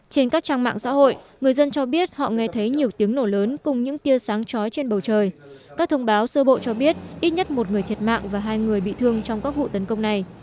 trên các trang mạng xã hội người dân cho biết họ nghe thấy nhiều tiếng nổ lớn cùng những tia sáng trói trên bầu trời các thông báo sơ bộ cho biết ít nhất một người thiệt mạng và hai người bị thương trong các vụ tấn công này